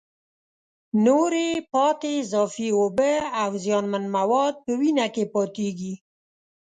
نورې پاتې اضافي اوبه او زیانمن مواد په وینه کې پاتېږي.